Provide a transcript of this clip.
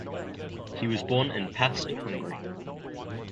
He was born in Pest, Hungary.